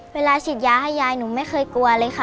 เวลาฉีดยาให้ยายหนูไม่เคยกลัวเลยค่ะ